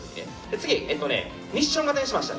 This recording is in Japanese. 次、ミッション型にしました。